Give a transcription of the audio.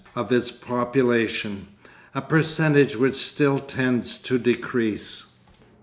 of its population, a percentage which still tends to decrease.